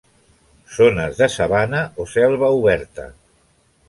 Zones de sabana o selva oberta.